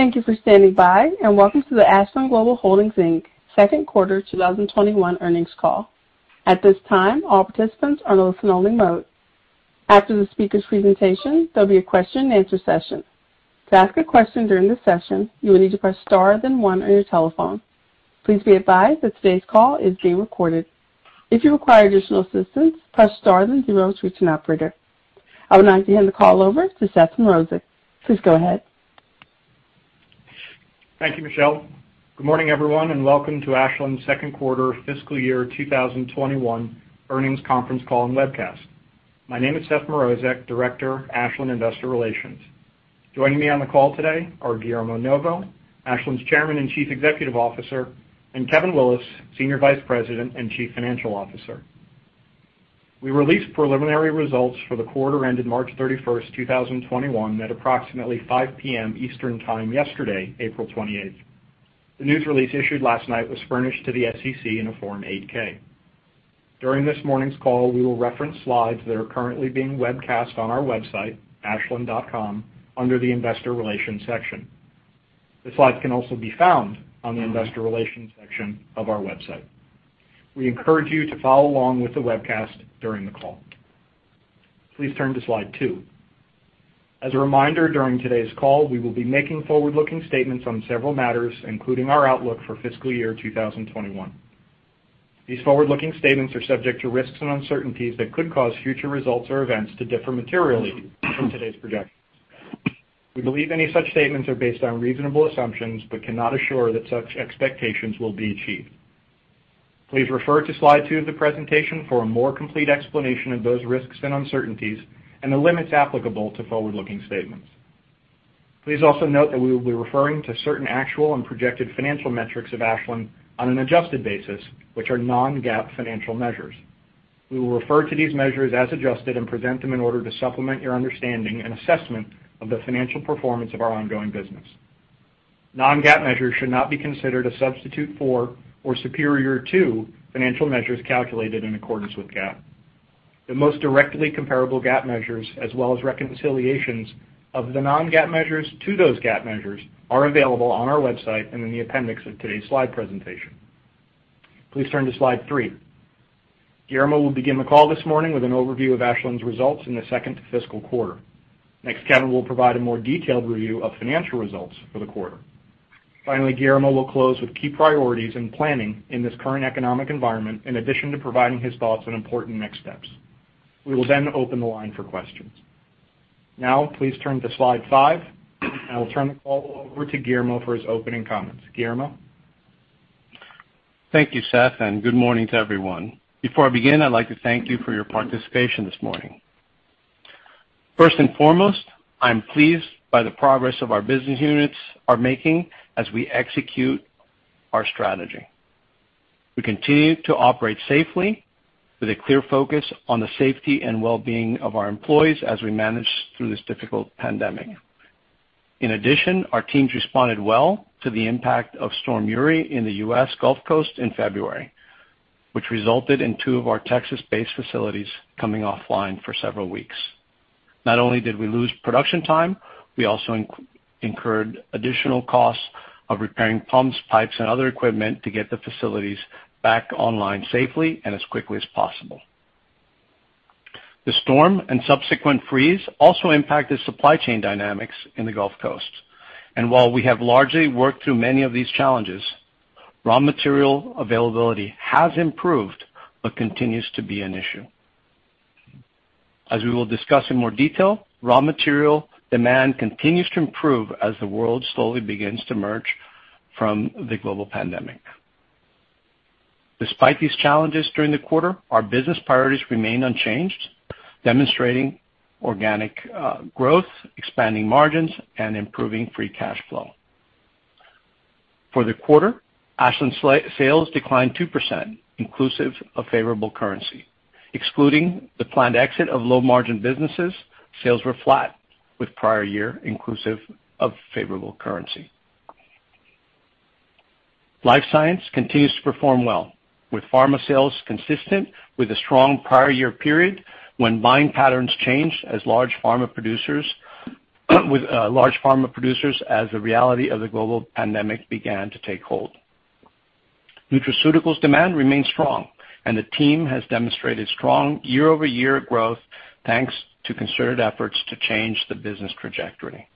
Thank you for standing by, and welcome to Ashland Global Holdings Inc. Second Quarter 2021 Earnings Call. At this time, all participants are in listen-only mode. After the speakers' presentation, there will be a question and answer session. To ask a question during the session, you will need to press star then one on your telephone. Please be advised that today's call is being recorded. If you require additional assistance, press star then zero to reach an operator. I would now hand the call over to Seth Mrozek. Please go ahead. Thank you, Michelle. Good morning, everyone, and welcome to Ashland's second quarter fiscal year 2021 earnings conference call and webcast. My name is Seth Mrozek, Director, Ashland Investor Relations. Joining me on the call today are Guillermo Novo, Ashland's Chairman and Chief Executive Officer, and Kevin Willis, Senior Vice President and Chief Financial Officer. We released preliminary results for the quarter ended March 31st, 2021 at approximately 5:00P.M. Eastern Time yesterday, April 28th. The news release issued last night was furnished to the SEC in a Form 8-K. During this morning's call, we will reference slides that are currently being webcast on our website, ashland.com, under the investor relations section. The slides can also be found on the investor relations section of our website. We encourage you to follow along with the webcast during the call. Please turn to slide two. As a reminder, during today's call, we will be making forward-looking statements on several matters, including our outlook for fiscal year 2021. These forward-looking statements are subject to risks and uncertainties that could cause future results or events to differ materially from today's projections. We believe any such statements are based on reasonable assumptions but cannot ensure that such expectations will be achieved. Please refer to slide two of the presentation for a more complete explanation of those risks and uncertainties and the limits applicable to forward-looking statements. Please also note that we will be referring to certain actual and projected financial metrics of Ashland on an adjusted basis, which are non-GAAP financial measures. We will refer to these measures as adjusted and present them in order to supplement your understanding and assessment of the financial performance of our ongoing business. Non-GAAP measures should not be considered a substitute for or superior to financial measures calculated in accordance with GAAP. The most directly comparable GAAP measures as well as reconciliations of the non-GAAP measures to those GAAP measures are available on our website and in the appendix of today's slide presentation. Please turn to slide three. Guillermo will begin the call this morning with an overview of Ashland's results in the second fiscal quarter. Kevin will provide a more detailed review of financial results for the quarter. Guillermo will close with key priorities and planning in this current economic environment, in addition to providing his thoughts on important next steps. We will open the line for questions. Please turn to slide five. I will turn the call over to Guillermo for his opening comments. Guillermo? Thank you, Seth, and good morning to everyone. Before I begin, I'd like to thank you for your participation this morning. First and foremost, I'm pleased by the progress our business units are making as we execute our strategy. We continue to operate safely with a clear focus on the safety and well-being of our employees as we manage through this difficult pandemic. Our teams responded well to the impact of Storm Uri in the U.S. Gulf Coast in February, which resulted in two of our Texas-based facilities coming offline for several weeks. Not only did we lose production time, we also incurred additional costs of repairing pumps, pipes, and other equipment to get the facilities back online safely and as quickly as possible. The storm and subsequent freeze also impacted supply chain dynamics in the Gulf Coast. While we have largely worked through many of these challenges, raw material availability has improved but continues to be an issue. As we will discuss in more detail, raw material demand continues to improve as the world slowly begins to emerge from the global pandemic. Despite these challenges during the quarter, our business priorities remain unchanged, demonstrating organic growth, expanding margins, and improving free cash flow. For the quarter, Ashland sales declined 2%, inclusive of favorable currency. Excluding the planned exit of low-margin businesses, sales were flat with prior year inclusive of favorable currency. Life Sciences continues to perform well, with pharma sales consistent with a strong prior year period when buying patterns changed as large pharma producers as the reality of the global pandemic began to take hold. Nutraceuticals demand remains strong, and the team has demonstrated strong year-over-year growth thanks to concerted efforts to change the business trajectory.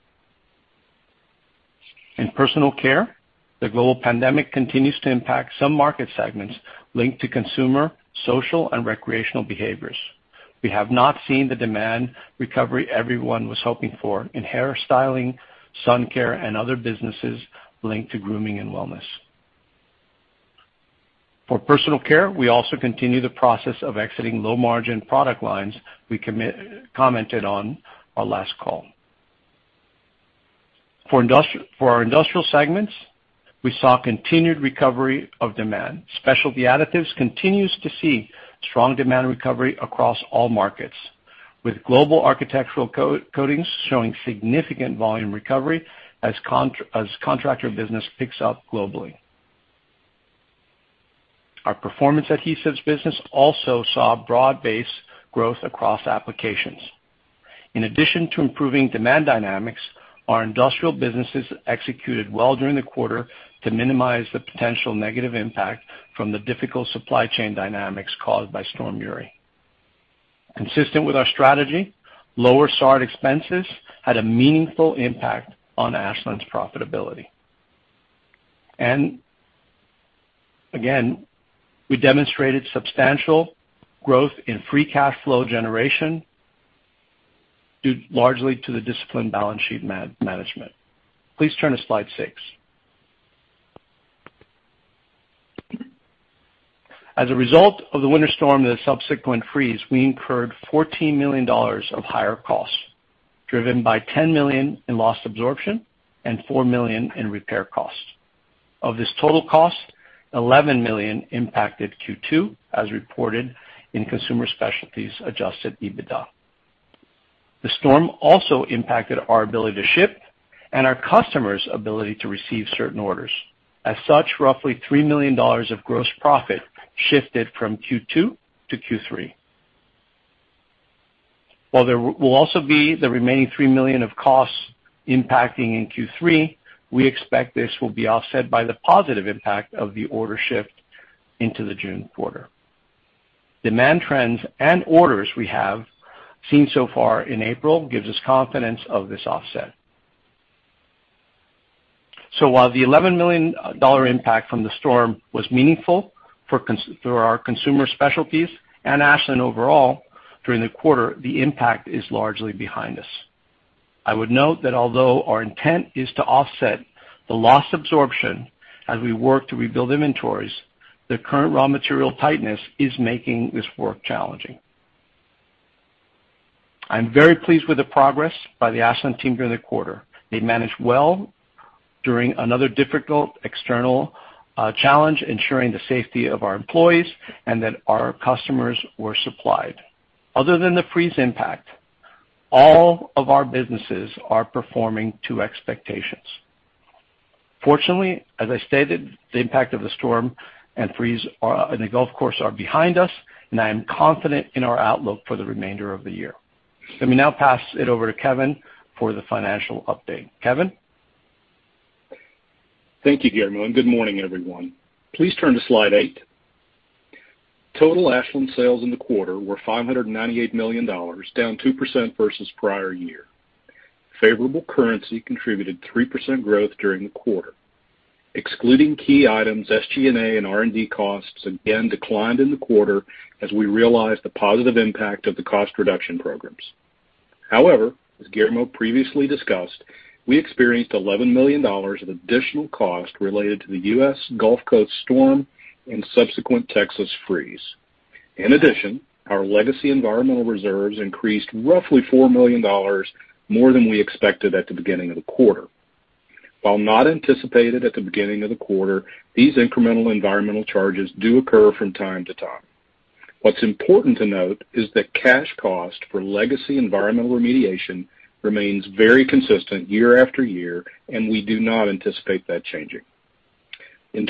In Personal Care, the global pandemic continues to impact some market segments linked to consumer, social, and recreational behaviors. We have not seen the demand recovery everyone was hoping for in hair styling, sun care, and other businesses linked to grooming and wellness. For Personal Care, we also continue the process of exiting low-margin product lines we commented on our last call. For our industrial segments, we saw continued recovery of demand. Specialty Additives continues to see strong demand recovery across all markets, with global architectural coatings showing significant volume recovery as contractor business picks up globally. Our Performance Adhesives business also saw broad-based growth across applications. In addition to improving demand dynamics, our industrial businesses executed well during the quarter to minimize the potential negative impact from the difficult supply chain dynamics caused by Storm Uri. Consistent with our strategy, lower SAR expenses had a meaningful impact on Ashland's profitability. Again, we demonstrated substantial growth in free cash flow generation due largely to the disciplined balance sheet management. Please turn to slide six. As a result of the winter storm and the subsequent freeze, we incurred $14 million of higher costs, driven by $10 million in loss absorption and $4 million in repair costs. Of this total cost, $11 million impacted Q2, as reported in Consumer Specialties' adjusted EBITDA. The storm also impacted our ability to ship and our customers' ability to receive certain orders. As such, roughly $3 million of gross profit shifted from Q2 to Q3. There will also be the remaining $3 million of costs impacting Q3. We expect this will be offset by the positive impact of the order shift into the June quarter. Demand trends and orders we have seen so far in April give us confidence of this offset. While the $11 million impact from the storm was meaningful for our Consumer Specialties and Ashland overall during the quarter, the impact is largely behind us. I would note that although our intent is to offset the loss absorption as we work to rebuild inventories, the current raw material tightness is making this work challenging. I'm very pleased with the progress by the Ashland team during the quarter. They managed well during another difficult external challenge, ensuring the safety of our employees and that our customers were supplied. Other than the freeze impact, all of our businesses are performing to expectations. Fortunately, as I stated, the impact of the storm and freeze on the Gulf Coast is behind us, and I am confident in our outlook for the remainder of the year. Let me now pass it over to Kevin for the financial update. Kevin? Thank you, Guillermo. Good morning, everyone. Please turn to slide eight. Total Ashland sales in the quarter were $598 million, down 2% versus the prior year. Favorable currency contributed 3% growth during the quarter. Excluding key items, SG&A and R&D costs again declined in the quarter as we realized the positive impact of the cost reduction programs. As Guillermo previously discussed, we experienced $11 million of additional cost related to the U.S. Gulf Coast storm and subsequent Texas freeze. Our legacy environmental reserves increased roughly $4 million more than we expected at the beginning of the quarter. While not anticipated at the beginning of the quarter, these incremental environmental charges do occur from time to time. What's important to note is that cash cost for legacy environmental remediation remains very consistent year after year, and we do not anticipate that changing. In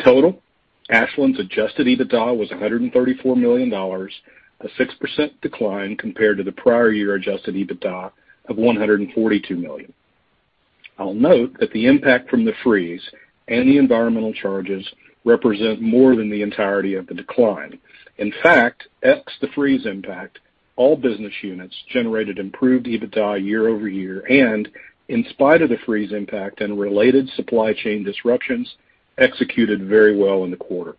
total, Ashland's adjusted EBITDA was $134 million, a 6% decline compared to the prior year's adjusted EBITDA of $142 million. I'll note that the impact from the freeze and the environmental charges represent more than the entirety of the decline. Excluding the freeze impact, all business units generated improved EBITDA year-over-year and, in spite of the freeze impact and related supply chain disruptions, executed very well in the quarter.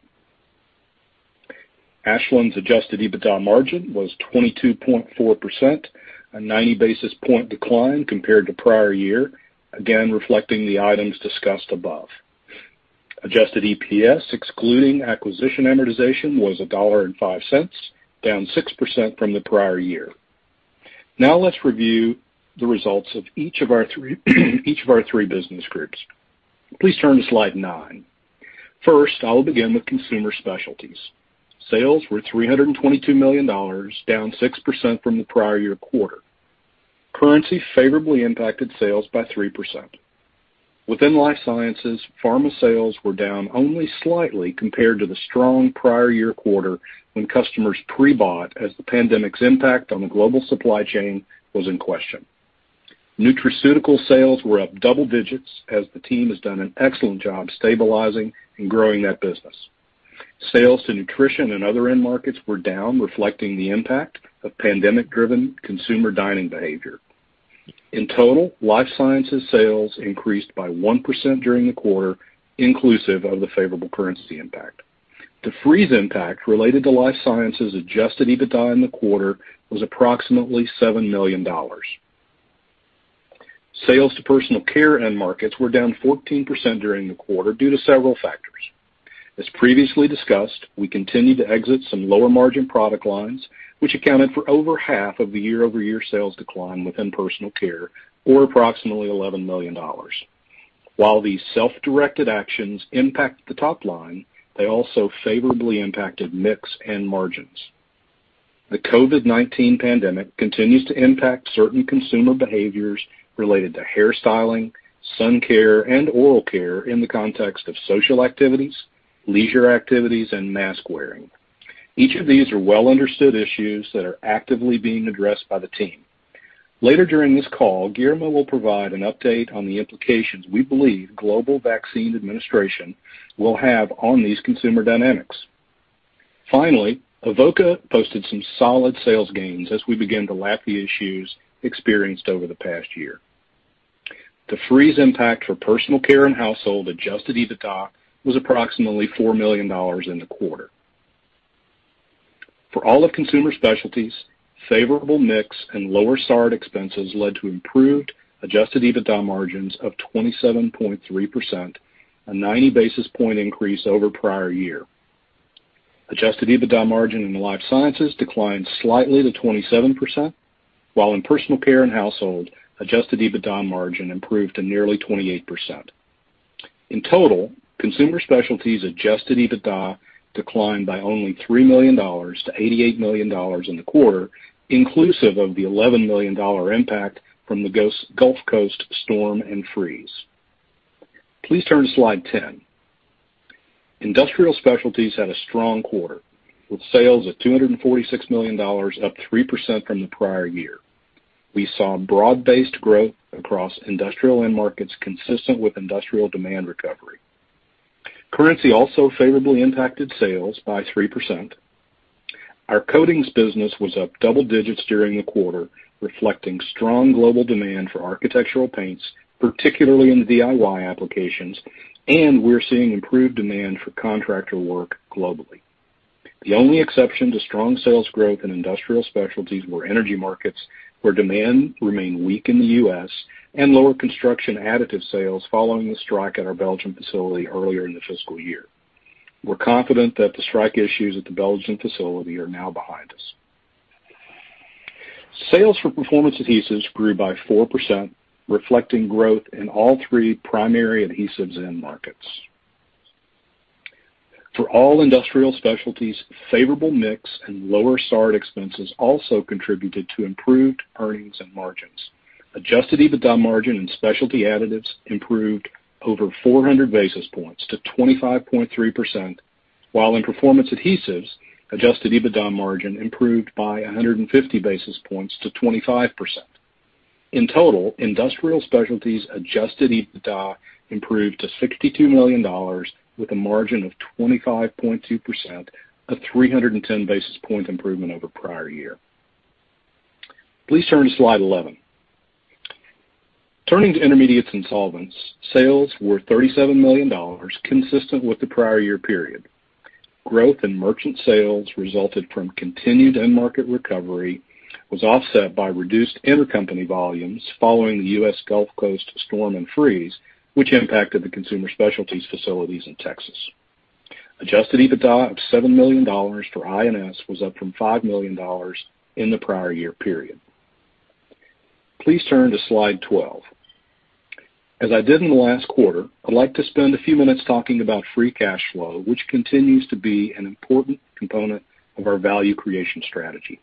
Ashland's adjusted EBITDA margin was 22.4%, a 90-basis-point decline compared to the prior year, again, reflecting the items discussed above. Adjusted EPS, excluding acquisition amortization, was $1.05, down 6% from the prior year. Now let's review the results of each of our three business groups. Please turn to slide nine. First, I will begin with Consumer Specialties. Sales were $322 million, down 6% from the prior-year quarter. Currency favorably impacted sales by 3%. Within Life Sciences, pharma sales were down only slightly compared to the strong prior-year quarter when customers pre-bought as the pandemic's impact on the global supply chain was in question. Nutraceutical sales were up double-digits as the team has done an excellent job stabilizing and growing that business. Sales to nutrition and other end markets were down, reflecting the impact of pandemic-driven consumer dining behavior. In total, Life Sciences sales increased by 1% during the quarter, inclusive of the favorable currency impact. The freeze impact related to Life Sciences adjusted EBITDA in the quarter was approximately $7 million. Sales to Personal Care end markets were down 14% during the quarter due to several factors. As previously discussed, we continued to exit some lower-margin product lines, which accounted for over half of the year-over-year sales decline within Personal Care, or approximately $11 million. While these self-directed actions impact the top line, they also favorably impacted mix and margins. The COVID-19 pandemic continues to impact certain consumer behaviors related to hair styling, sun care, and oral care in the context of social activities, leisure activities, and mask-wearing. Each of these are well-understood issues that are actively being addressed by the team. Later during this call, Guillermo will provide an update on the implications we believe global vaccine administration will have on these consumer dynamics. Finally, Avoca posted some solid sales gains as we begin to lap the issues experienced over the past year. The freeze impact for Personal Care and Household adjusted EBITDA was approximately $4 million in the quarter. For all of Consumer Specialties, a favorable mix and lower SAR expenses led to improved adjusted EBITDA margins of 27.3%, a 90-basis-point increase over the prior year. Adjusted EBITDA margin in Life Sciences declined slightly to 27%, while in Personal Care and Household, adjusted EBITDA margin improved to nearly 28%. In total, Consumer Specialties adjusted EBITDA declined by only $3 million to $88 million in the quarter, inclusive of the $11 million impact from the Gulf Coast storm and freeze. Please turn to slide 10. Industrial Specialties had a strong quarter, with sales of $246 million, up 3% from the prior year. We saw broad-based growth across industrial end markets consistent with industrial demand recovery. Currency also favorably impacted sales by 3%. Our coatings business was up double-digits during the quarter, reflecting strong global demand for architectural paints, particularly in DIY applications, and we're seeing improved demand for contractor work globally. The only exceptions to strong sales growth in Industrial Specialties were energy markets, where demand remained weak in the U.S., and lower construction additive sales following the strike at our Belgium facility earlier in the fiscal year. We're confident that the strike issues at the Belgium facility are now behind us. Sales for Performance Adhesives grew by 4%, reflecting growth in all three primary adhesives end markets. For all Industrial Specialties, favorable mix and lower SAR expenses also contributed to improved earnings and margins. Adjusted EBITDA margin in Specialty Additives improved over 400 basis points to 25.3%, while in Performance Adhesives, adjusted EBITDA margin improved by 150 basis points to 25%. In total, Industrial Specialties adjusted EBITDA improved to $62 million with a margin of 25.2%, a 310-basis-point improvement over the prior year. Please turn to slide 11. Turning to Intermediates and Solvents, sales were $37 million, consistent with the prior year period. Growth in merchant sales resulted from continued end market recovery, was offset by reduced intercompany volumes following the U.S. Gulf Coast storm and freeze, which impacted the Consumer Specialties facilities in Texas. Adjusted EBITDA of $7 million for I&S was up from $5 million in the prior year period. Please turn to slide 12. As I did in the last quarter, I'd like to spend a few minutes talking about free cash flow, which continues to be an important component of our value creation strategy.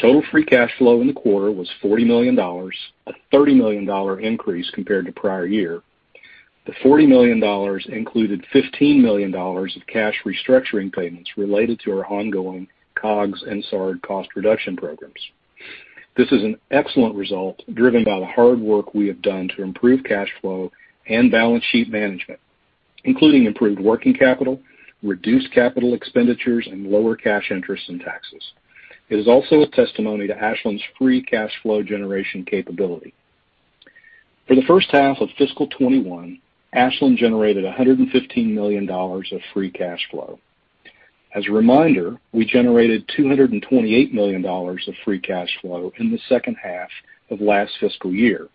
Total free cash flow in the quarter was $40 million, a $30 million increase compared to the prior year. The $40 million included $15 million of cash restructuring payments related to our ongoing COGS and SAR cost-reduction programs. This is an excellent result, driven by the hard work we have done to improve cash flow and balance sheet management, including improved working capital, reduced capital expenditures, and lower cash interests and taxes. It is also a testimony to Ashland's free cash flow generation capability. For the first half of fiscal 2021, Ashland generated $115 million of free cash flow. As a reminder, we generated $228 million of free cash flow in the second half of last fiscal year,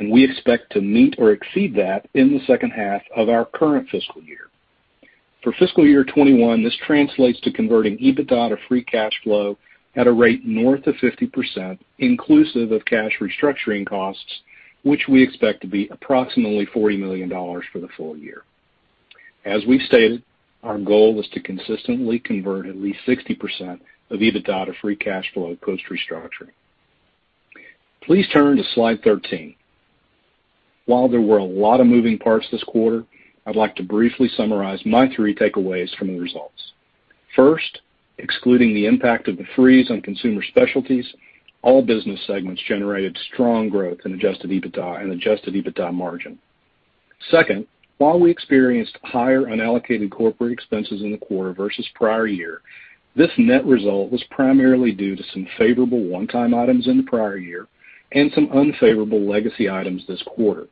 and we expect to meet or exceed that in the second half of our current fiscal year. For fiscal year 2021, this translates to converting EBITDA to free cash flow at a rate north of 50%, inclusive of cash restructuring costs, which we expect to be approximately $40 million for the full year. As we've stated, our goal is to consistently convert at least 60% of EBITDA to free cash flow post-restructuring. Please turn to slide 13. While there were a lot of moving parts this quarter, I'd like to briefly summarize my three takeaways from the results. First, excluding the impact of the freeze on Consumer Specialties, all business segments generated strong growth in adjusted EBITDA and adjusted EBITDA margin. Second, while we experienced higher unallocated corporate expenses in the quarter versus the prior year, this net result was primarily due to some favorable one-time items in the prior year and some unfavorable legacy items this quarter.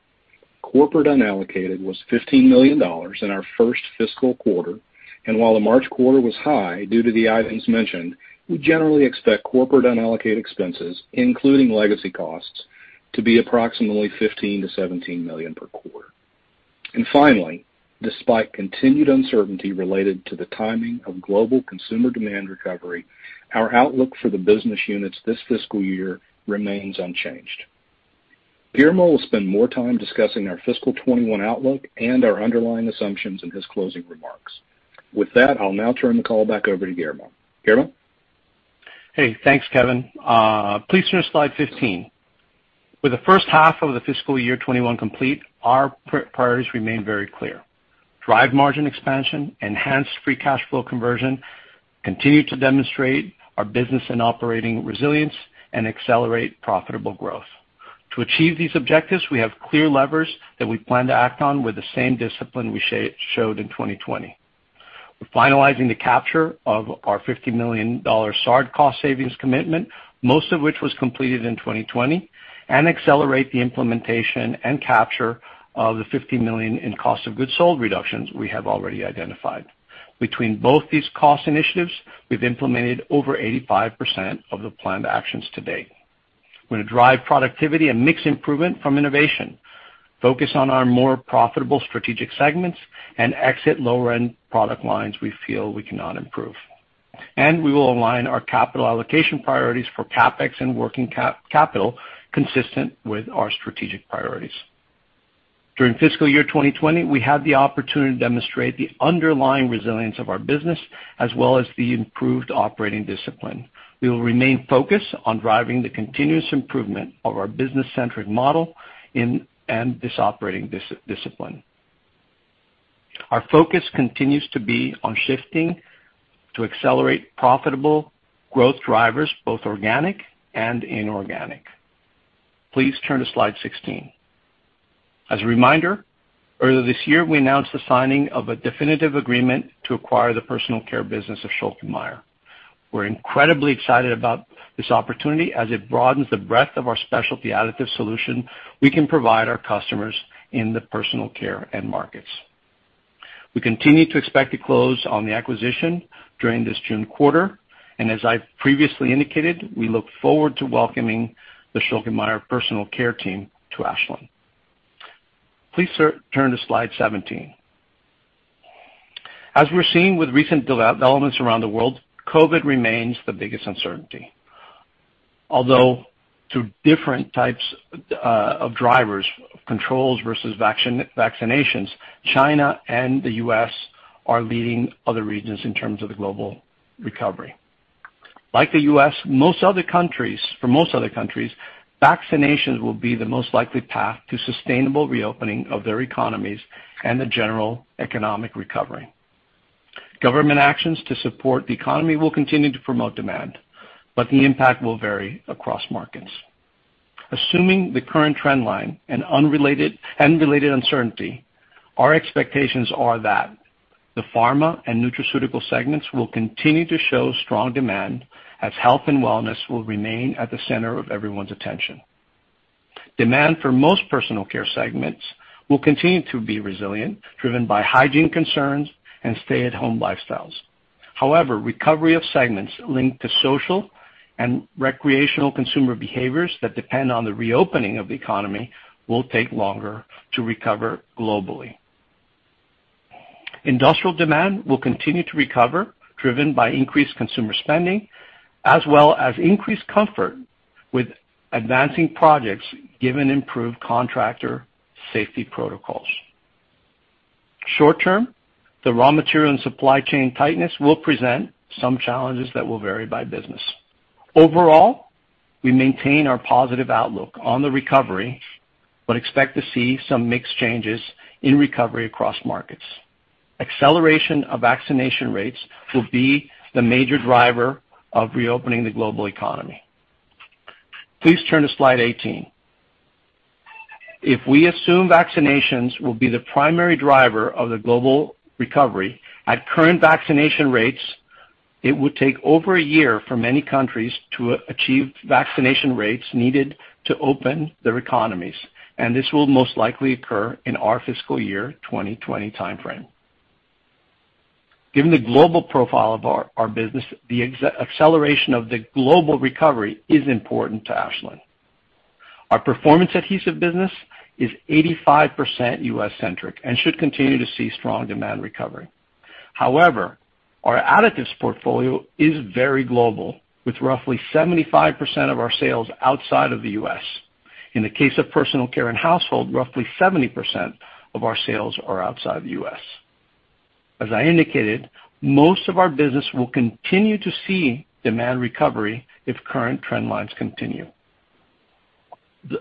Corporate unallocated was $15 million in our first fiscal quarter, and while the March quarter was high due to the items mentioned, we generally expect corporate unallocated expenses, including legacy costs, to be approximately $15 million-$17 million per quarter. Finally, despite continued uncertainty related to the timing of global consumer demand recovery, our outlook for the business units this fiscal year remains unchanged. Guillermo will spend more time discussing our fiscal 2021 outlook and our underlying assumptions in his closing remarks. With that, I'll now turn the call back over to Guillermo. Guillermo? Hey, thanks, Kevin. Please turn to slide 15. With the first half of the fiscal year 2021 complete, our priorities remain very clear. Drive margin expansion, enhance free cash flow conversion, continue to demonstrate our business and operating resilience, and accelerate profitable growth. To achieve these objectives, we have clear levers that we plan to act on with the same discipline we showed in 2020. We're finalizing the capture of our $50 million SAR cost savings commitment, most of which was completed in 2020, and accelerating the implementation and capture of the $50 million in cost of goods sold reductions we have already identified. Between both these cost initiatives, we've implemented over 85% of the planned actions to date. We're going to drive productivity and mix improvement from innovation, focus on our more profitable strategic segments, and exit lower-end product lines we feel we cannot improve. We will align our capital allocation priorities for CapEx and working capital consistent with our strategic priorities. During fiscal year 2020, we had the opportunity to demonstrate the underlying resilience of our business, as well as the improved operating discipline. We will remain focused on driving the continuous improvement of our business-centric model and this operating discipline. Our focus continues to be on shifting to accelerate profitable growth drivers, both organic and inorganic. Please turn to slide 16. As a reminder, earlier this year, we announced the signing of a definitive agreement to acquire the personal care business of Schülke & Mayr. We're incredibly excited about this opportunity as it broadens the breadth of our specialty additive solution we can provide our customers in the personal care end markets. We continue to expect to close on the acquisition during this June quarter, and as I've previously indicated, we look forward to welcoming the Schülke & Mayr personal care team to Ashland. Please turn to slide 17. As we're seeing with recent developments around the world, COVID remains the biggest uncertainty. Two different types of drivers, controls versus vaccinations, China and the U.S. are leading other regions in terms of the global recovery. Like the U.S., for most other countries, vaccinations will be the most likely path to sustainable reopening of their economies and the general economic recovery. Government actions to support the economy will continue to promote demand, but the impact will vary across markets. Assuming the current trend line and related uncertainty, our expectations are that the pharma and nutraceutical segments will continue to show strong demand, as health and wellness will remain at the center of everyone's attention. Demand for most Personal Care segments will continue to be resilient, driven by hygiene concerns and stay-at-home lifestyles. However, recovery of segments linked to social and recreational consumer behaviors that depend on the reopening of the economy will take longer to recover globally. Industrial demand will continue to recover, driven by increased consumer spending, as well as increased comfort with advancing projects given improved contractor safety protocols. Short term, the raw material and supply chain tightness will present some challenges that will vary by business. Overall, we maintain our positive outlook on the recovery but expect to see some mixed changes in recovery across markets. Acceleration of vaccination rates will be the major driver of reopening the global economy. Please turn to slide 18. If we assume vaccinations will be the primary driver of the global recovery at current vaccination rates, it would take over a year for many countries to achieve vaccination rates needed to open their economies, and this will most likely occur in our fiscal year 2020 timeframe. Given the global profile of our business, the acceleration of the global recovery is important to Ashland. Our Performance Adhesives business is 85% U.S.-centric and should continue to see strong demand recovery. However, our additives portfolio is very global, with roughly 75% of our sales outside of the U.S. In the case of personal care and household items, roughly 70% of our sales are outside the U.S. As I indicated, most of our business will continue to see demand recovery if current trend lines continue.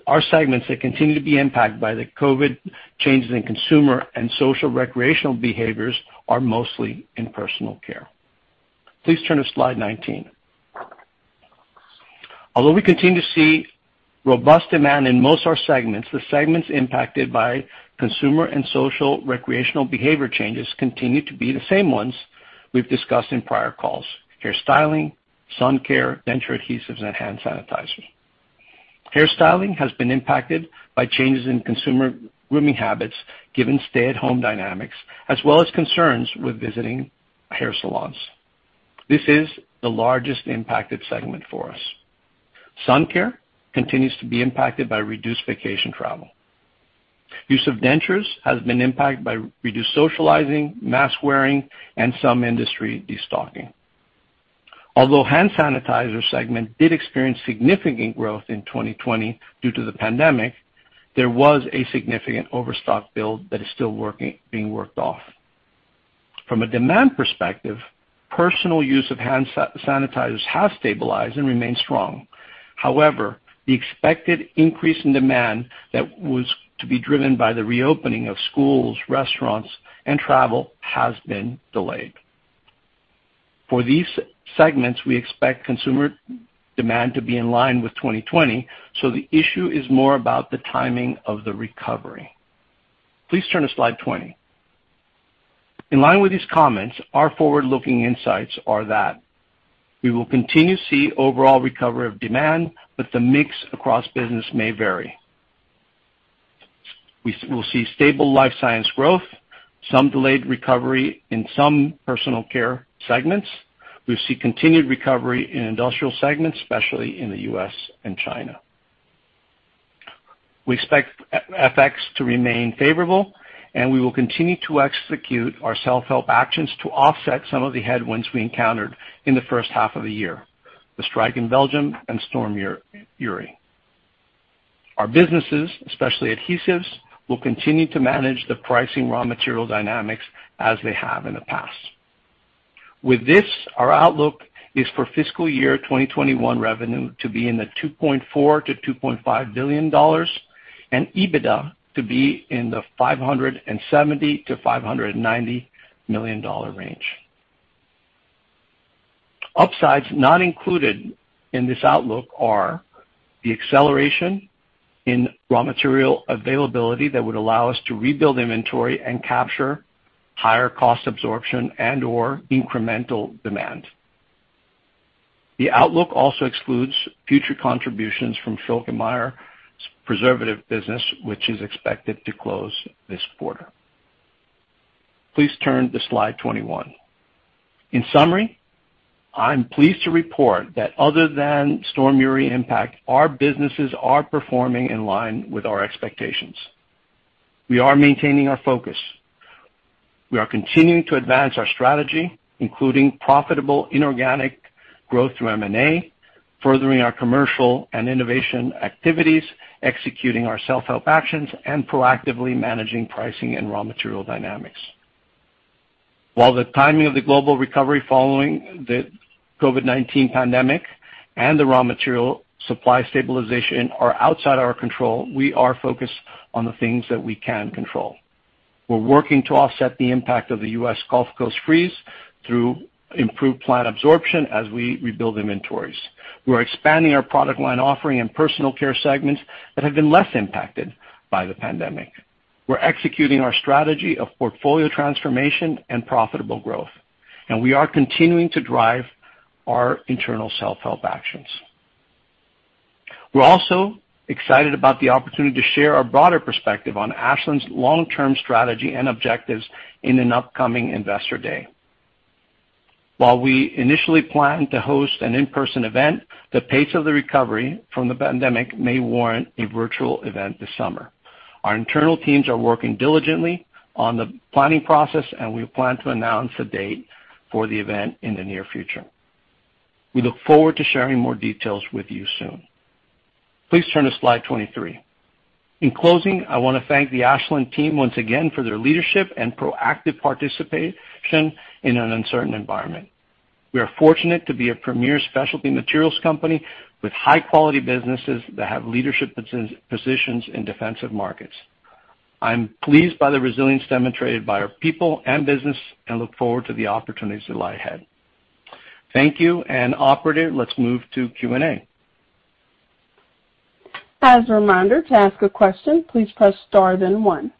Our segments that continue to be impacted by the COVID changes in consumer and social recreational behaviors are mostly in Personal Care. Please turn to slide 19. Although we continue to see robust demand in most of our segments, the segments impacted by consumer and social recreational behavior changes continue to be the same ones we've discussed in prior calls: hair styling, sun care, denture adhesives, and hand sanitizer. Hair styling has been impacted by changes in consumer grooming habits given stay-at-home dynamics, as well as concerns with visiting hair salons. This is the largest impacted segment for us. Sun care continues to be impacted by reduced vacation travel. Use of dentures has been impacted by reduced socializing, mask wearing, and some industry de-stocking. Although the hand sanitizer segment did experience significant growth in 2020 due to the pandemic, there was a significant overstock build that is still being worked off. From a demand perspective, personal use of hand sanitizers has stabilized and remains strong. However, the expected increase in demand that was to be driven by the reopening of schools, restaurants, and travel has been delayed. For these segments, we expect consumer demand to be in line with 2020, so the issue is more about the timing of the recovery. Please turn to slide 20. In line with these comments, our forward-looking insights are that we will continue to see overall recovery of demand, but the mix across business may vary. We will see stable Life Sciences growth, some delayed recovery in some Personal Care segments. We see continued recovery in industrial segments, especially in the U.S. and China. We expect FX to remain favorable, and we will continue to execute our self-help actions to offset some of the headwinds we encountered in the first half of the year, the strike in Belgium and Storm Uri. Our businesses, especially adhesives, will continue to manage the pricing of raw material dynamics as they have in the past. With this, our outlook is for fiscal year 2021 revenue to be in the $2.4 billion-$2.5 billion and EBITDA to be in the $570 million-$590 million range. Upsides not included in this outlook are the acceleration in raw material availability that would allow us to rebuild inventory and capture higher cost absorption and/or incremental demand. The outlook also excludes future contributions from Schülke & Mayr's preservative business, which is expected to close this quarter. Please turn to slide 21. In summary, I'm pleased to report that, other than the Storm Uri impact, our businesses are performing in line with our expectations. We are maintaining our focus. We are continuing to advance our strategy, including profitable inorganic growth through M&A, furthering our commercial and innovation activities, executing our self-help actions, and proactively managing pricing and raw material dynamics. While the timing of the global recovery following the COVID-19 pandemic and the raw material supply stabilization are outside our control, we are focused on the things that we can control. We're working to offset the impact of the U.S. Gulf Coast freeze through improved plant absorption as we rebuild inventories. We are expanding our product line offering in Personal Care segments that have been less impacted by the pandemic. We're executing our strategy of portfolio transformation and profitable growth, and we are continuing to drive our internal self-help actions. We're also excited about the opportunity to share our broader perspective on Ashland's long-term strategy and objectives in an upcoming investor day. While we initially planned to host an in-person event, the pace of the recovery from the pandemic may warrant a virtual event this summer. Our internal teams are working diligently on the planning process, and we plan to announce a date for the event in the near future. We look forward to sharing more details with you soon. Please turn to slide 23. In closing, I want to thank the Ashland team once again for their leadership and proactive participation in an uncertain environment. We are fortunate to be a premier specialty materials company with high-quality businesses that have leadership positions in defensive markets. I'm pleased by the resilience demonstrated by our people and business and look forward to the opportunities that lie ahead. Thank you, operator, let's move to Q&A. As a reminder, to ask a question, please press star then one.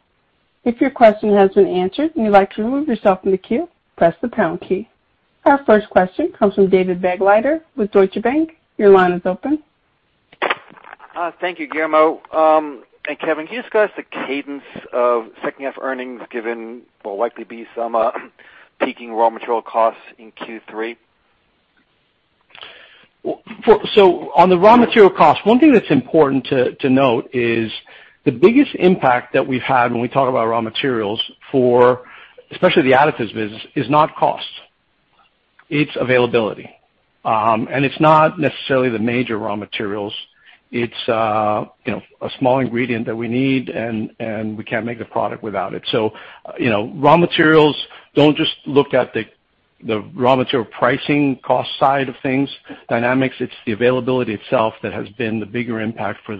If your question has been answered and you'd like to remove yourself from the queue, press the pound key. Our first question comes from David Begleiter with Deutsche Bank. Your line is open. Thank you, Guillermo. Kevin, can you discuss the cadence of second-half earnings given there will likely be some peaking raw material costs in Q3? On the raw material cost, one thing that's important to note is the biggest impact that we've had when we talk about raw materials for especially the Specialty Additives business is not cost. It's availability. It's not necessarily the major raw materials. It's a small ingredient that we need, and we can't make the product without it. Raw materials: don't just look at the raw material pricing cost side of things, dynamics. It's the availability itself that has been the bigger impact for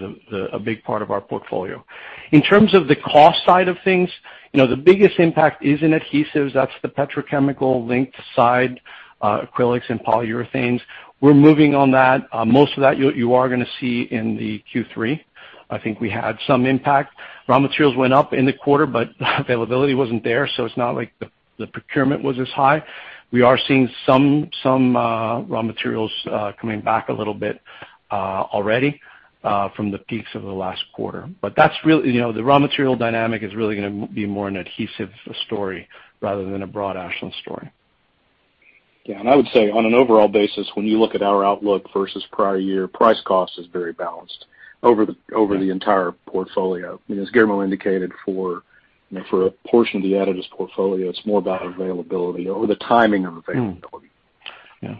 a big part of our portfolio. In terms of the cost side of things, the biggest impact is in Performance Adhesives. That's the petrochemical-linked side, acrylics and polyurethanes. We're moving on to that. Most of that you are going to see in Q3. I think we had some impact. Raw materials went up in the quarter, but availability wasn't there, so it's not like the procurement was as high. We are seeing some raw materials coming back a little bit already from the peaks of the last quarter. The raw material dynamic is really going to be more an adhesive story rather than a broad Ashland story. Yeah, I would say on an overall basis, when you look at our outlook versus the prior year, price-cost is very balanced over the entire portfolio. As Guillermo indicated, for a portion of the additives portfolio, it's more about availability or the timing of availability Yeah.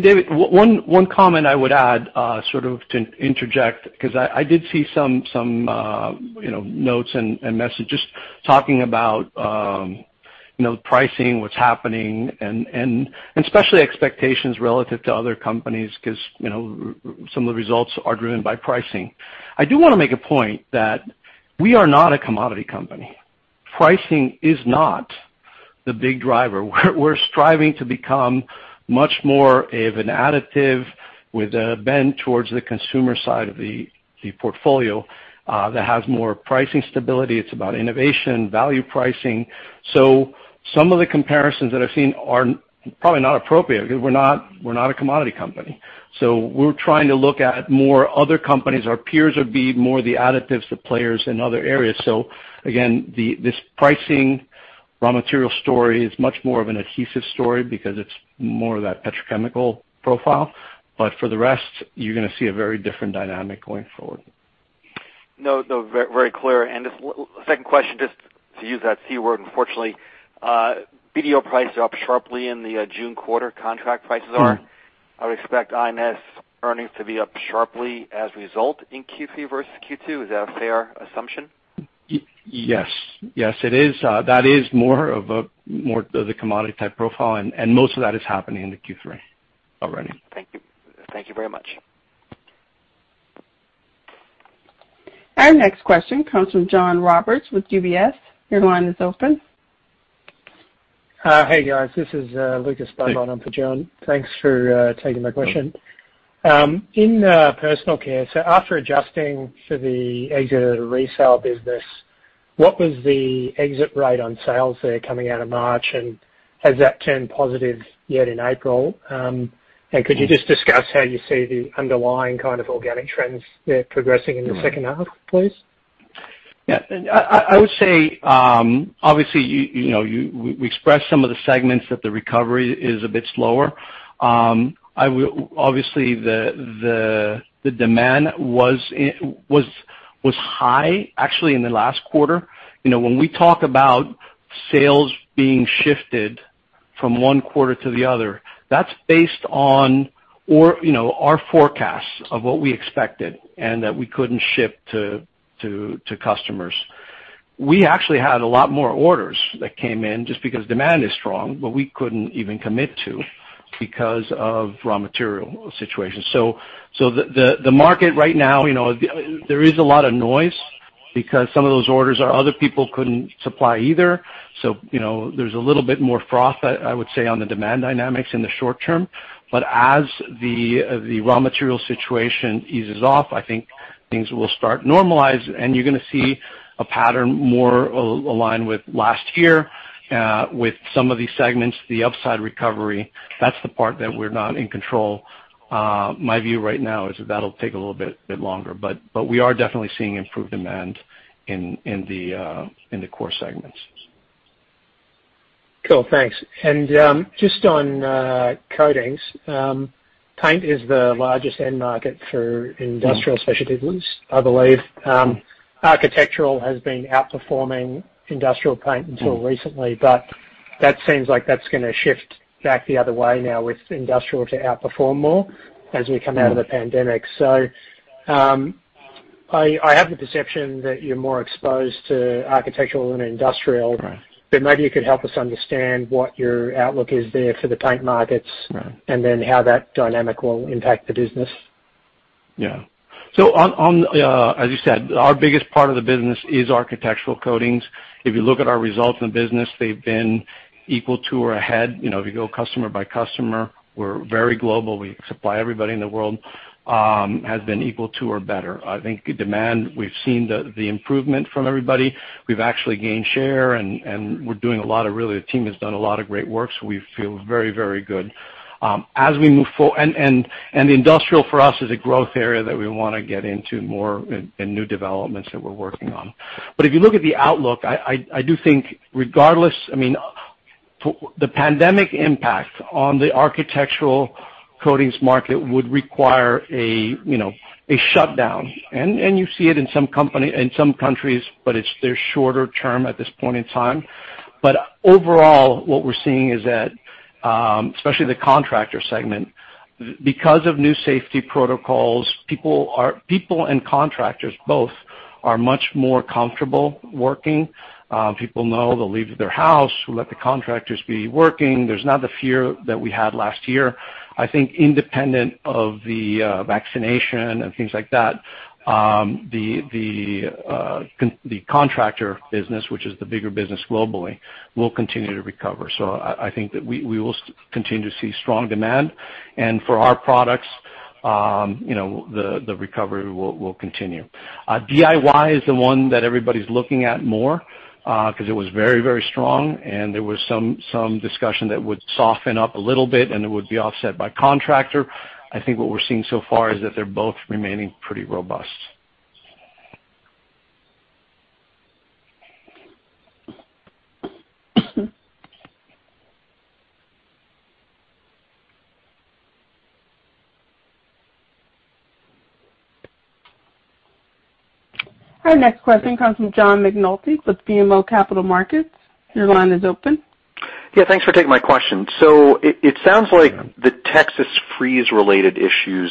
David, one comment I would add, sort of to interject, because I did see some notes and messages talking about pricing, what's happening, and especially expectations relative to other companies, because some of the results are driven by pricing. I do want to make a point that we are not a commodity company. Pricing is not the big driver. We're striving to become much more of an additive with a bend towards the consumer side of the portfolio that has more pricing stability. It's about innovation and value pricing. Some of the comparisons that I've seen are probably not appropriate because we're not a commodity company. We're trying to look at more other companies. Our peers would be more the additives, the players in other areas. Again, this pricing raw material story is much more of an adhesive story because it's more of that petrochemical profile. For the rest, you're going to see a very different dynamic going forward. No, very clear. Just the second question, just to use that C word: unfortunately, BDO prices are up sharply in the June quarter, contract prices are. I would expect I&S earnings to be up sharply as a result in Q3 versus Q2. Is that a fair assumption? Yes. Yes, it is. That is more of the commodity type profile. Most of that is happening in Q3 already. Thank you. Thank you very much. Our next question comes from John Roberts with UBS. Your line is open. Hey, guys. This is Lucas Beaumont on for John. Thanks for taking my question. In Personal Care, so after adjusting for the exit of the resale business, what was the exit rate on sales there coming out of March, and has that turned positive yet in April? Could you just discuss how you see the underlying kind of organic trends there progressing in the second half, please? Yeah, I would say obviously we expressed some of the segments that the recovery is a bit slower. Obviously the demand was high actually in the last quarter. When we talk about sales being shifted from one quarter to the other, that's based on our forecasts of what we expected and that we couldn't ship to customers. We actually had a lot more orders that came in just because demand is strong, but we couldn't even commit to them because of raw material situations. The market right now, there is a lot of noise because some of those orders other people couldn't supply either. There's a little bit more froth, I would say, on the demand dynamics in the short term. As the raw material situation eases off, I think things will start to normalize, and you're going to see a pattern more aligned with last year with some of these segments, the upside recovery. That's the part that we're not in control of. My view right now is that'll take a little bit longer. We are definitely seeing improved demand in the core segments. Cool, thanks. Just on coatings, paint is the largest end market for Industrial Specialties, I believe. Architecture has been outperforming industrial paint until recently, but that seems like that's going to shift back the other way now with industrial outperforming more as we come out of the pandemic. I have the perception that you're more exposed to architecture than industry. Right. Maybe you could help us understand what your outlook is, therefore, for the paint markets. Right. How that dynamic will impact the business. As you said, our biggest part of the business is architectural coatings. If you look at our results in the business, they've been equal to or ahead. If you go customer by customer, we're very global, we supply everybody in the world, and it has been equal to or better. I think demand-wise, we've seen the improvement from everybody. We've actually gained share, and the team has done a lot of great work. We feel very, very good. Industrial for us is a growth area that we want to get into more and new developments that we're working on. If you look at the outlook, I do think, regardless, the pandemic impact on the architectural coatings market would require a shutdown. You see it in some countries, but they're shorter-term at this point in time. Overall, what we're seeing is that, especially in the contractor segment, because of new safety protocols, people and contractors both are much more comfortable working. People know they'll leave their house, let the contractors be working. There's not the fear that we had last year. I think independent of the vaccination and things like that, the contractor business, which is the bigger business globally, will continue to recover. I think that we will continue to see strong demand. For our products the recovery will continue. DIY is the one that everybody's looking at more because it was very, very strong, and there was some discussion that would soften up a little bit, and it would be offset by contractors. I think what we're seeing so far is that they're both remaining pretty robust. Our next question comes from John McNulty with BMO Capital Markets. Your line is open. Yeah, thanks for taking my question. It sounds like the Texas freeze-related issues,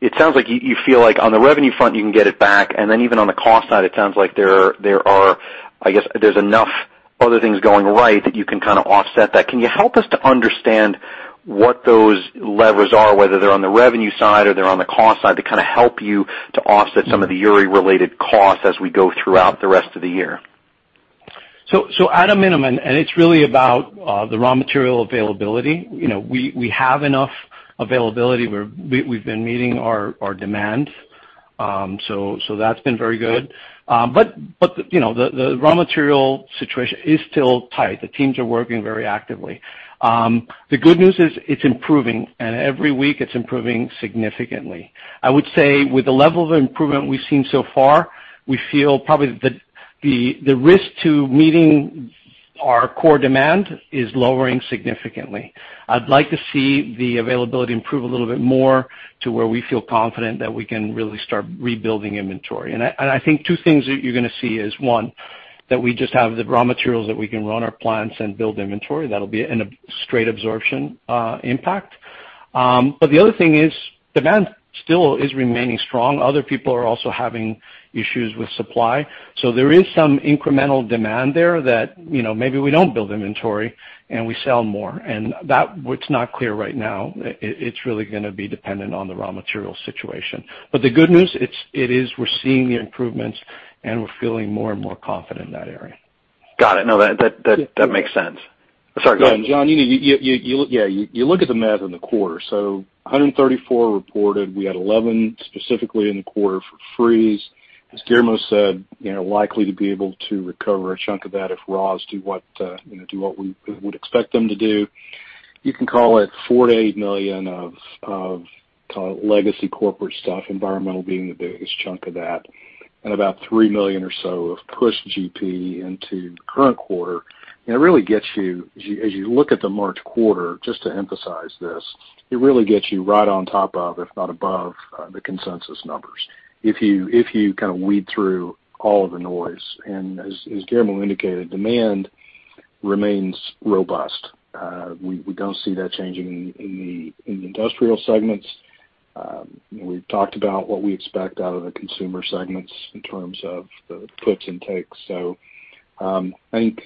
it sounds like you feel like on the revenue front you can get it back, and then even on the cost side, it sounds like, I guess, there are enough other things going right that you can kind of offset that. Can you help us to understand what those levers are, whether they're on the revenue side or they're on the cost side to kind of help you to offset some of the Uri-related costs as we go throughout the rest of the year? At a minimum, it's really about the raw material availability. We have enough availability where we've been meeting our demand. That's been very good. The raw material situation is still tight. The teams are working very actively. The good news is it's improving, and every week it's improving significantly. I would say with the level of improvement we've seen so far, we feel probably that the risk of meeting our core demand is lowering significantly. I'd like to see the availability improve a little bit more to where we feel confident that we can really start rebuilding inventory. I think two things that you're going to see are, one, that we just have the raw materials that we can run our plants with and build inventory. That'll be in a straight absorption impact. The other thing is, demand still is remaining strong. Other people are also having issues with supply. There is some incremental demand there that maybe we don't build inventory for and we sell more. That is what's not clear right now, it's really going to be dependent on the raw material situation. The good news is we're seeing the improvements, and we're feeling more and more confident in that area. Got it. No, that makes sense. Sorry, go ahead. Yeah, John, you look at the math in the quarter. 134 reported. We had 11 specifically in the quarter for freezing. As Guillermo said, it's likely to be possible to recover a chunk of that if the raws do what we would expect them to do. You can call it $4 million, $8 million of legacy corporate stuff, environmental being the biggest chunk of that, and about $3 million or so of pushed GP into the current quarter. As you look at the March quarter, just to emphasize this, it really gets you right on top of, if not above, the consensus numbers. If you kind of weed through all of the noise. As Guillermo indicated, demand remains robust. We don't see that changing in the industrial segments. We've talked about what we expect out of the consumer segments in terms of the puts and takes. I think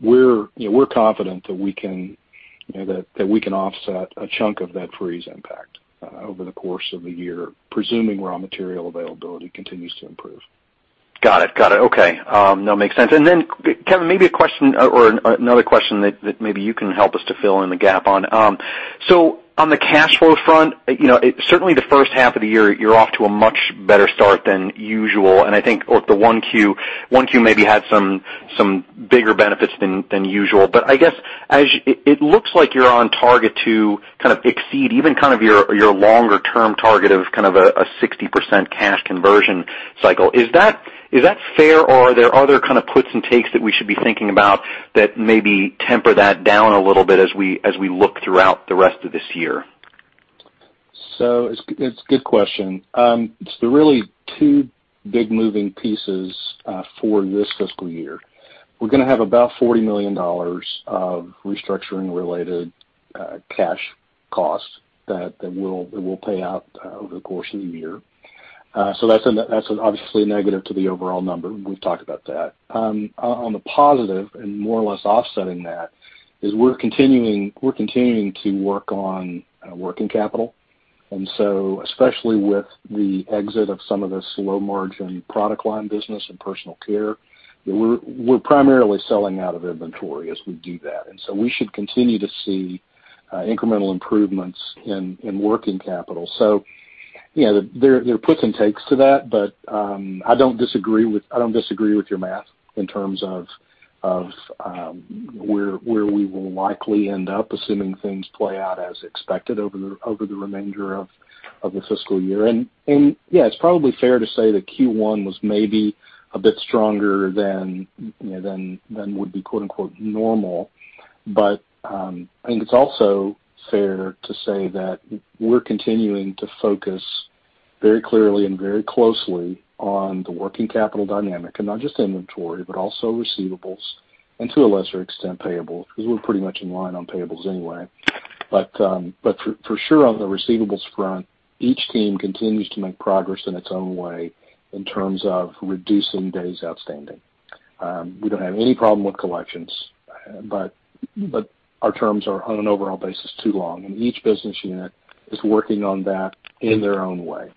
we're confident that we can offset a chunk of that freeze impact over the course of the year, presuming raw material availability continues to improve. Got it. Okay. No, it makes sense. Kevin, maybe a question or another question that maybe you can help us to fill in the gap with. On the cash flow front, certainly in the first half of the year, you're off to a much better start than usual, and I think Q1 maybe had some bigger benefits than usual. I guess it looks like you're on target to kind of exceed even kind of your longer-term target of kind of a 60% cash conversion cycle. Is that fair, or are there other kinds of puts and takes that we should be thinking about that maybe temper that down a little bit as we look throughout the rest of this year? It's a good question. There are really two big moving pieces for this fiscal year. We're going to have about $40 million of restructuring-related cash costs that will pay out over the course of the year. That's obviously a negative to the overall number. We've talked about that. On the positive and more or less offsetting that is that we're continuing to work on working capital. Especially with the exit of some of this low-margin product line business and Personal Care, we're primarily selling out of inventory as we do that. We should continue to see incremental improvements in working capital. There are puts and takes to that, but I don't disagree with your math in terms of where we will likely end up, assuming things play out as expected over the remainder of the fiscal year. Yeah, it's probably fair to say that Q1 was maybe a bit stronger than would be, quote unquote, normal. I think it's also fair to say that we're continuing to focus very clearly and very closely on the working capital dynamic and not just inventory but also receivables and, to a lesser extent, payables, because we're pretty much in line on payables anyway. For sure on the receivables front, each team continues to make progress in its own way in terms of reducing days outstanding. We don't have any problem with collections, but our terms are on an overall basis too long, and each business unit is working on that in their own way.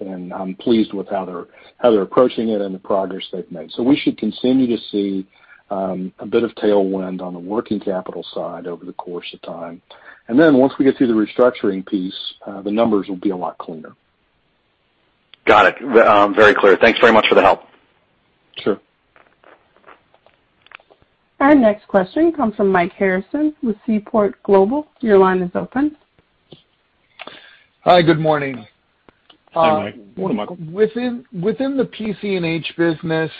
I'm pleased with how they're approaching it and the progress they've made. We should continue to see a bit of tailwind on the working capital side over the course of time. Once we get through the restructuring piece, the numbers will be a lot cleaner. Got it. Very clear. Thanks very much for the help. Sure. Our next question comes from Mike Harrison with Seaport Global. Your line is open. Hi, good morning. Hi, Mike. Morning, Michael. Within the PC&H business,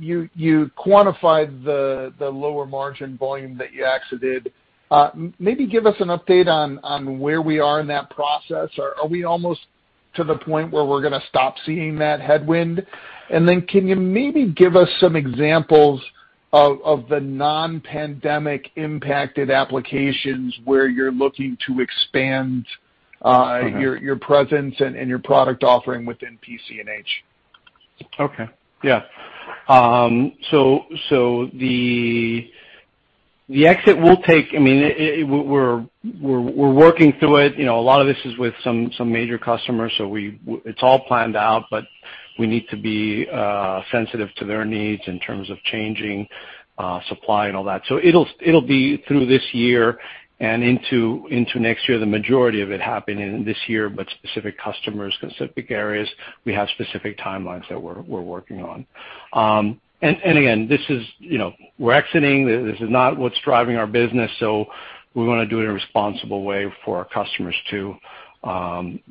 you quantified the lower margin volume that you exited. Maybe give us an update on where we are in that process, or are we almost to the point where we're going to stop seeing that headwind? Can you maybe give us some examples of the non-pandemic-impacted applications where you're looking to expand your presence and your product offering within PC&H? Okay. Yeah. The exit will take time; we're working through it. A lot of this is with some major customers, so it's all planned out, but we need to be sensitive to their needs in terms of changing supply and all that. It'll be through this year and into next year, the majority of it happening this year, but for specific customers and specific areas, we have specific timelines that we're working on. Again, we're exiting. This is not what's driving our business, so we want to do it in a responsible way for our customers, too,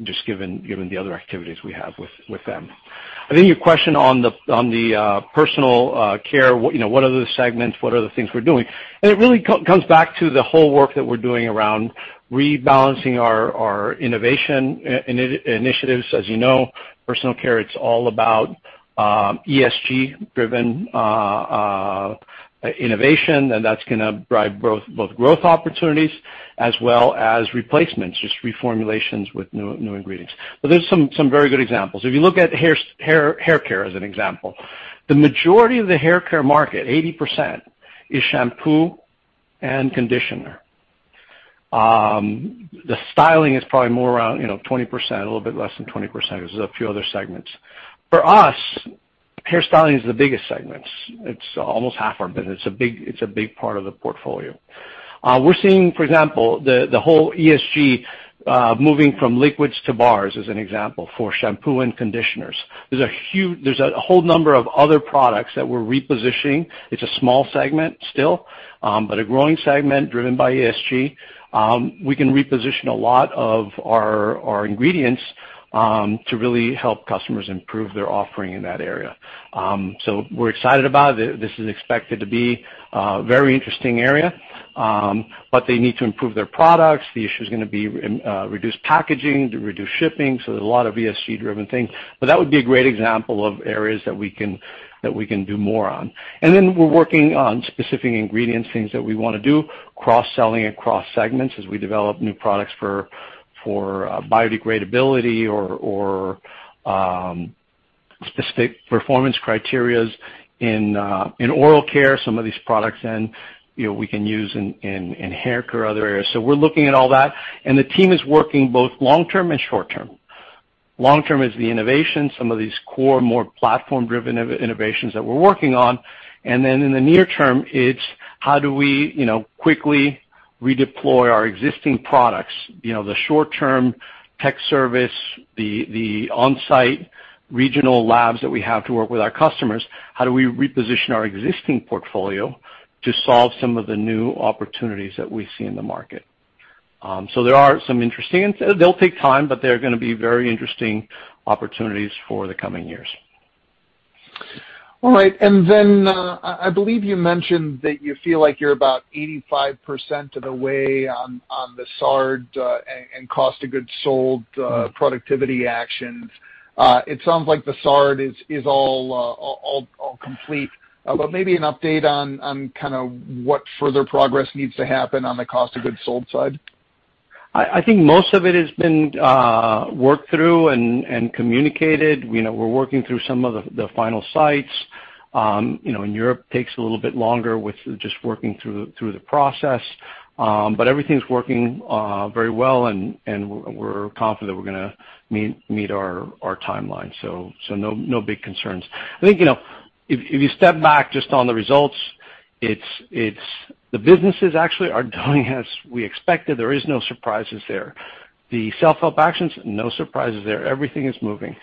just given the other activities we have with them. Your question on the Personal Care, what are the segments, what are the things we're doing? It really comes back to the whole work that we're doing around rebalancing our innovation initiatives. As you know, Personal Care, it's all about ESG-driven innovation, and that's going to drive both growth opportunities as well as replacements, just reformulations with new ingredients. There are some very good examples. If you look at haircare as an example, the majority of the haircare market, 80%, is shampoo and conditioner. The styling is probably more around 20%, a little bit less than 20%, because there are a few other segments. For us, hairstyling is the biggest segment. It's almost half our business. It's a big part of the portfolio. We're seeing, for example, the whole ESG moving from liquids to bars as an example for shampoo and conditioners. There are a whole number of other products that we're repositioning. It's a small segment still, but a growing segment driven by ESG. We can reposition a lot of our ingredients to really help customers improve their offering in that area. We're excited about it. This is expected to be a very interesting area, but they need to improve their products. The issue's going to be reduced packaging and reduced shipping, so there are a lot of ESG-driven things. That would be a great example of areas that we can do more on. We're working on specific ingredients, things that we want to do, cross-selling, and cross-segments as we develop new products for biodegradability or specific performance criteria in oral care, some of these products, and we can use them in haircare and other areas. We're looking at all that, and the team is working both long-term and short-term. Long-term is the innovation, some of these core, more platform-driven innovations that we're working on. In the near term, it's how do we quickly redeploy our existing products, the short-term tech service, the on-site regional labs that we have to work with our customers, how do we reposition our existing portfolio to solve some of the new opportunities that we see in the market? There are some interesting ones. They'll take time, but they're going to be very interesting opportunities for the coming years. All right. I believe you mentioned that you feel like you're about 85% of the way on the SAR and cost of goods sold productivity actions. It sounds like the SAR is all complete. Maybe an update on kind of what further progress needs to happen on the cost of goods sold side? I think most of it has been worked through and communicated. We're working through some of the final sites. In Europe, it takes a little bit longer with just working through the process. Everything's working very well, and we're confident we're going to meet our timeline. No big concerns. I think, if you step back just on the results, the businesses are actually doing as we expected. There are no surprises there. The self-help actions—no surprises there. Everything is moving.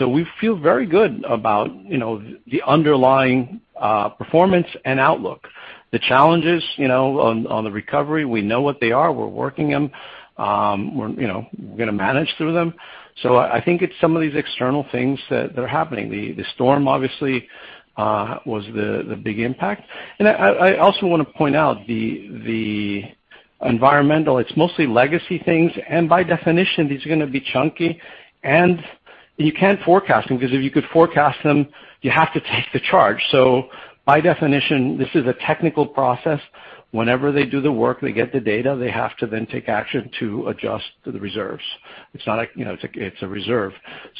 We feel very good about the underlying performance and outlook. The challenges to the recovery, we know what they are. We're working them. We're going to manage through them. I think it's some of these external things that are happening. The storm, obviously, was the big impact. I also want to point out the environmental, it's mostly legacy things, and by definition, these are going to be chunky. You can't forecast them, because if you could forecast them, you would have to take charge. By definition, this is a technical process. Whenever they do the work, they get the data, they have to then take action to adjust the reserves. It's a reserve.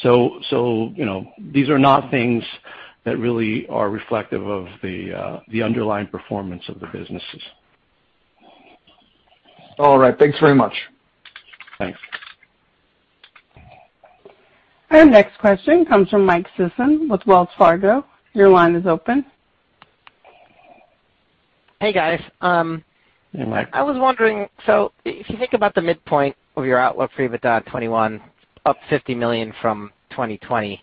These are not things that really are reflective of the underlying performance of the businesses. All right. Thanks very much. Thanks. Our next question comes from Mike Sison with Wells Fargo. Your line is open. Hey, guys. Hey, Mike. I was wondering if you think about the midpoint of your outlook for EBITDA 2021, up $50 million from 2020,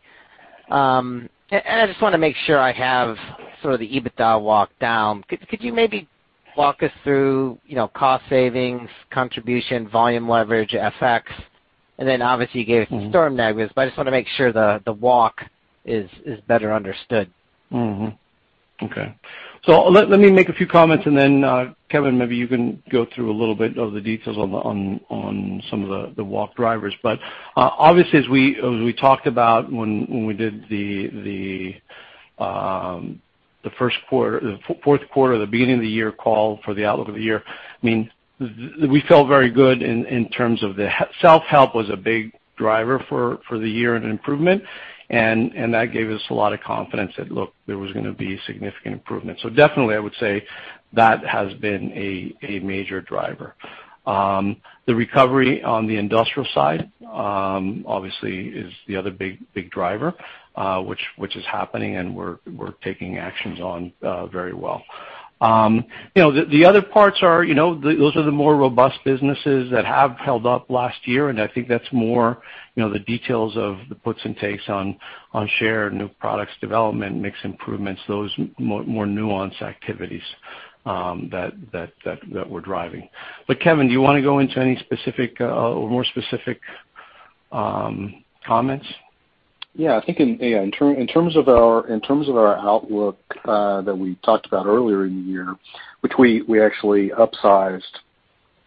and I just want to make sure I have sort of the EBITDA walkdown. Could you maybe walk us through cost savings, contribution, volume leverage, and FX? Obviously you gave us the storm negatives, but I just want to make sure the walk is better understood. Okay. Let me make a few comments, and then, Kevin, maybe you can go through a little bit of the details on some of the walk drivers. Obviously, as we talked about when we did the fourth quarter or the beginning of the year call for the outlook of the year, we felt very good in terms of self-help being a big driver for the year and an improvement, and that gave us a lot of confidence that, look, there was going to be significant improvement. Definitely, I would say that has been a major driver. The recovery on the industrial side, obviously, is the other big driver that is happening, and we're taking actions on it very well. The other parts are the more robust businesses that have held up last year. I think that's more the details of the puts and takes on shares, new product development, mix improvements, and those more nuanced activities that we're driving. Kevin, do you want to go into any more specific comments? Yeah. I think in terms of our outlook that we talked about earlier in the year, which we actually upsided.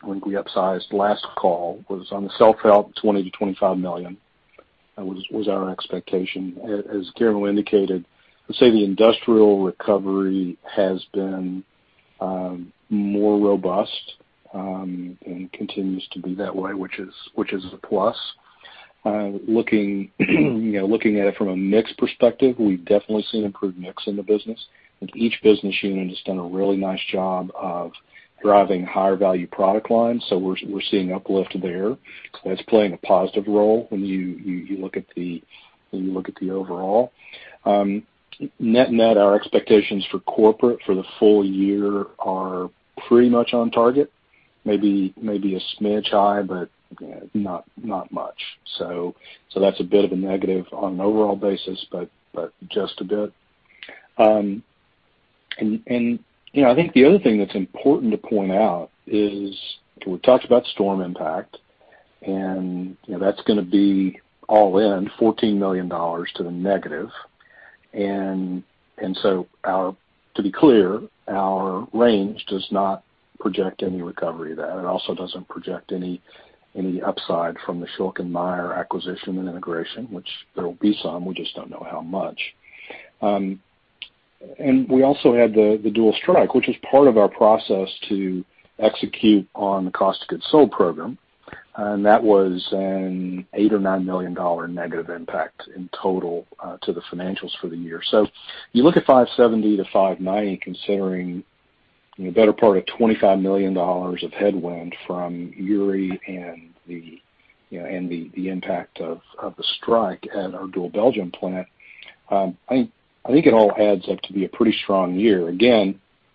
I think we upsized last call, were on the self-help, and $20 million-$25 million was our expectation. As Guillermo indicated, I'd say the industrial recovery has been more robust and continues to be that way, which is a plus. Looking at it from a mix perspective, we've definitely seen improved mix in the business, and each business unit has done a really nice job of driving higher-value product lines. That's playing a positive role when you look at the overall picture. Net-net, our expectations for corporate for the full year are pretty much on target. Maybe a smidge high, not much. That's a bit of a negative on an overall basis, just a bit. I think the other thing that's important to point out is we talked about Storm Uri's impact, and that's going to be all in $14 million to the negative. To be clear, our range does not project any recovery of that. It also doesn't project any upside from the Schülke & Mayr acquisition and integration, though there will be some. We just don't know how much. We also had the Doel strike, which was part of our process to execute on the cost of goods sold program. That was an $8 million or $9 million negative impact in total to the financials for the year. You look at $570 million-$590 million, considering the better part of $25 million of headwind from Storm Uri and the impact of the strike at our Doel, Belgium, plant. I think it all adds up to be a pretty strong year.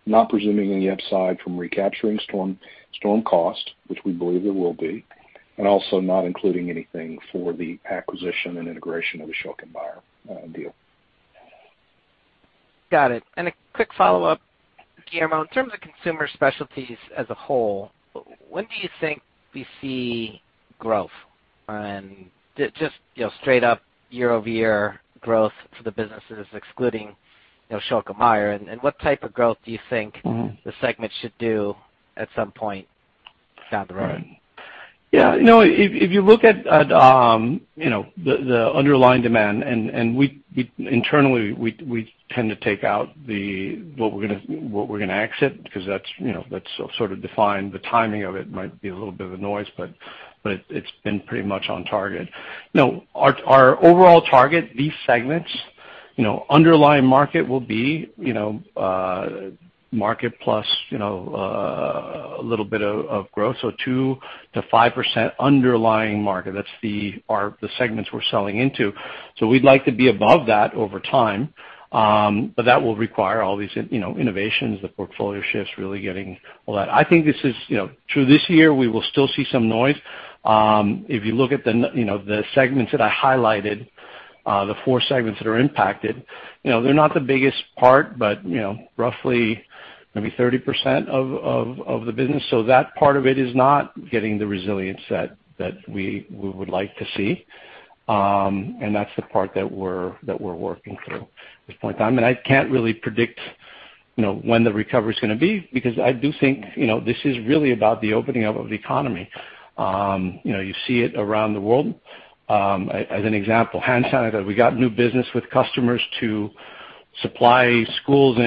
Not presuming any upside from recapturing storm cost, which we believe there will be, and also not including anything for the acquisition and integration of the Schülke & Mayr deal. Got it. A quick follow-up. Guillermo, in terms of Consumer Specialties as a whole, when do you think we'll see growth and just straight-up year-over-year growth for the businesses excluding Schülke & Mayr? What type of growth do you think the segment should do at some point down the road? If you look at the underlying demand internally, we tend to take out what we're going to exit because that sort of defined the timing of it, which might be a little bit of noise, but it's been pretty much on target. Our overall target, these segments, and the underlying market will be the market plus a little bit of growth. 2%-5% underlying market. Those are the segments we're selling into. We'd like to be above that over time. That will require all these innovations, the portfolio shifts, and really getting all that. I think through this year, we will still see some noise. If you look at the segments that I highlighted, the four segments that are impacted, they're not the biggest part, but roughly maybe 30% of the business. That part of it is not getting the resilience that we would like to see, and that's the part that we're working through at this point in time. I can't really predict when the recovery is going to be because I do think this is really about the opening up of the economy. You see it around the world. As an example, hand sanitizer. We got new business with customers to supply schools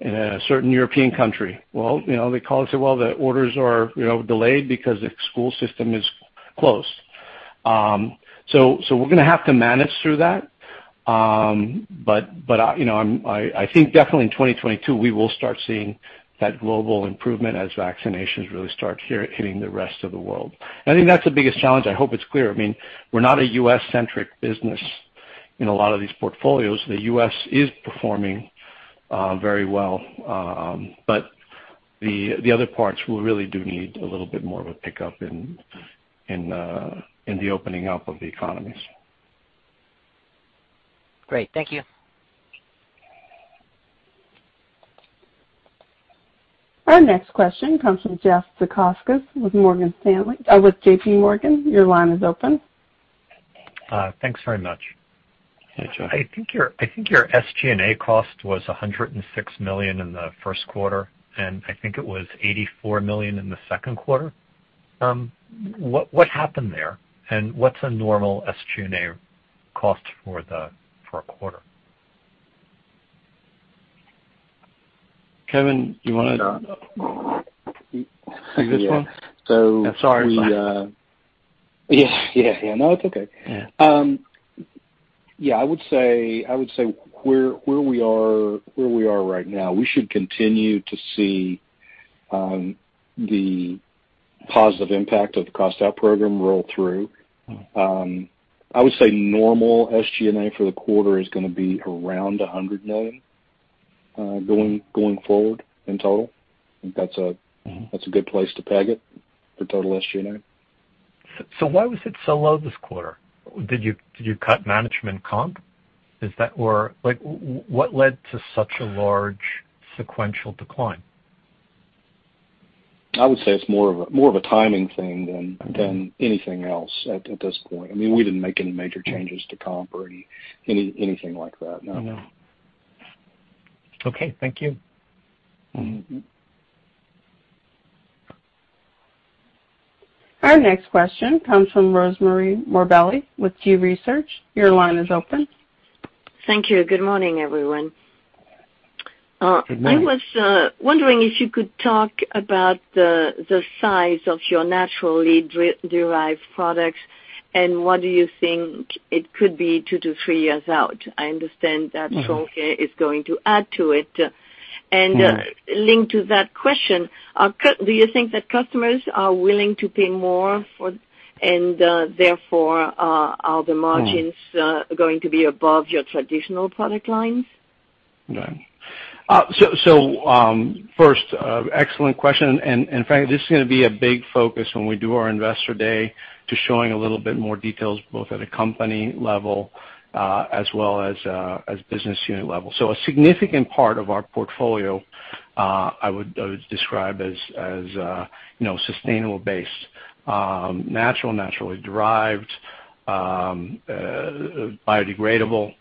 in a certain European country. They call us, say, well, the orders are delayed because the school system is closed. We're going to have to manage through that. I think definitely in 2022, we will start seeing that global improvement as vaccinations really start hitting the rest of the world. I think that's the biggest challenge. I hope it's clear. We're not a U.S.-centric business in a lot of these portfolios. The U.S. is performing very well. The other parts really do need a little bit more of a pickup in the opening up of the economies. Great. Thank you. Our next question comes from Jeff Zekauskas with JPMorgan. Your line is open. Thanks very much. Hey, Jeff. I think your SG&A cost was $106 million in the first quarter, and I think it was $84 million in the second quarter. What happened there, and what's a normal SG&A cost for a quarter? Kevin, do you want to take this one? Yeah. I'm sorry. Yeah. No, it's okay. Yeah. Yeah. I would say where we are right now, we should continue to see the positive impact of the cost-out program roll through. I would say normal SG&A for the quarter is going to be around $100 million going forward in total. I think that's a good place to peg it for total SG&A. Why was it so low this quarter? Did you cut management comp? Is that, or what led to such a large sequential decline? I would say it's more of a timing thing than anything else at this point. We didn't make any major changes to comp or anything like that, no. Okay. Thank you. Our next question comes from Rosemarie Morbelli with G. Research. Your line is open. Thank you. Good morning, everyone. Good morning. I was wondering if you could talk about the size of your naturally derived products and what you think it could be in two-three years? I understand that Schülke is going to add to it. Right. Linked to that question, do you think that customers are willing to pay more, and therefore, are the margins going to be above your traditional product lines? First, excellent question, in fact, this is going to be a big focus when we do our investor day to showing a little bit more details, both at a company level as well as business unit level. A significant part of our portfolio I would describe as sustainable-based, natural, naturally derived, and biodegradable.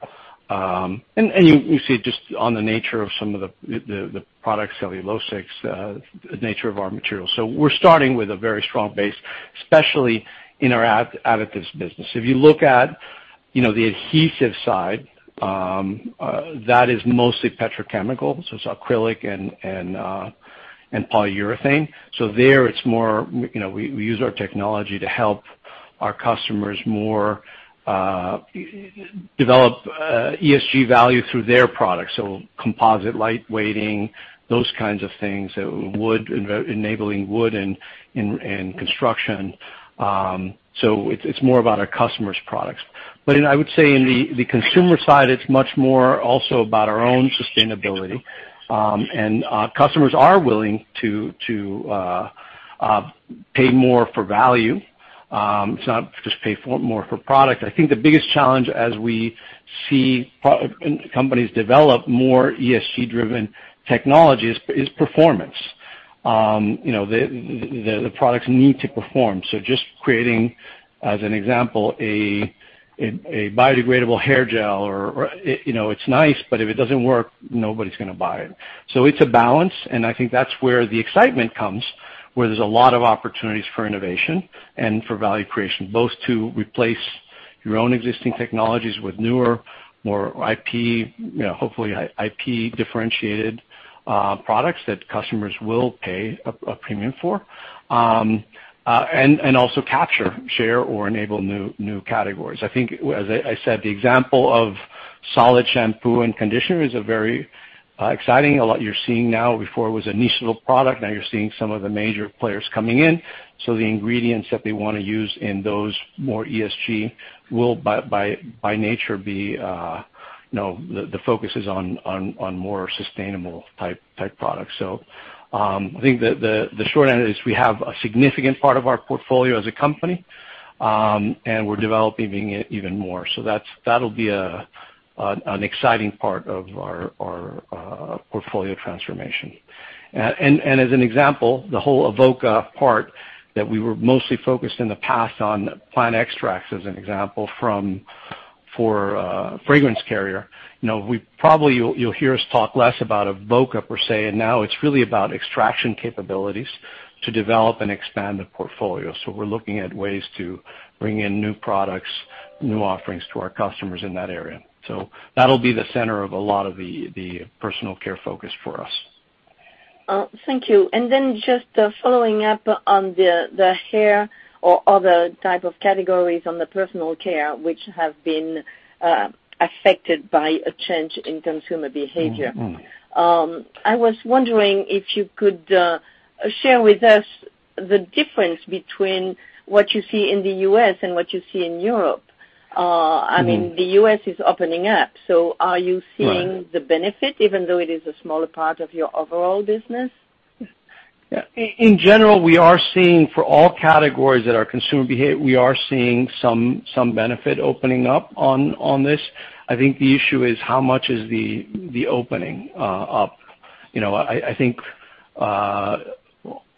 You see it just in the nature of some of the products, cellulosics, and the nature of our materials. We're starting with a very strong base, especially in our additives business. If you look at the adhesive side, that is mostly petrochemical. It's acrylic and polyurethane. There, it's more that we use our technology to help our customers develop ESG value more through their products, composite lightweighting, those kinds of things, enabling wood in construction. It's more about our customers' products. I would say on the consumer side, it's much more also about our own sustainability. Customers are willing to pay more for value. It's not just paying more for the product. I think the biggest challenge as we see companies develop more ESG-driven technologies is performance. The products need to perform. Just creating, as an example, a biodegradable hair gel. It's nice, but if it doesn't work, nobody's going to buy it. It's a balance, and I think that's where the excitement comes, where there are a lot of opportunities for innovation and for value creation, both to replace your own existing technologies with newer, more IP-differentiated products that customers will pay a premium for. Also capture, share, or enable new categories. I think, as I said, the example of solid shampoo and conditioner is a very exciting, a lot you're seeing now. Before it was a niche little product. Now you're seeing some of the major players coming in. The ingredients that they want to use in those more ESG will, by nature, have the focus on more sustainable-type products. I think the short end is we have a significant part of our portfolio as a company, and we're developing it even more. That'll be an exciting part of our portfolio transformation. As an example, the whole Avoca part that we were mostly focused on in the past was plant extracts, as an example, for fragrance carriers. Probably you'll hear us talk less about Avoca per se, and now it's really about extraction capabilities to develop and expand the portfolio. We're looking at ways to bring in new products and new offerings to our customers in that area. That'll be the center of a lot of the Personal Care focus for us. Thank you. Just following up on the hair or other type of categories on the Personal Care which have been affected by a change in consumer behavior. I was wondering if you could share with us the difference between what you see in the U.S. and what you see in Europe. The U.S. is opening up, so are you seeing the benefit even though it is a smaller part of your overall business? In general, we are seeing for all categories that are consumer behavior that we are seeing some benefit opening up on this. I think the issue is how much opening up there is. I think